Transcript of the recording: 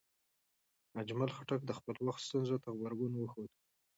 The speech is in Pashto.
اجمل خټک د خپل وخت ستونزو ته غبرګون وښود.